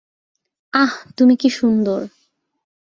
আহ্, তুমি কি সুন্দর।